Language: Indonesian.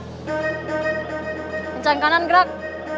kencang kanan gerak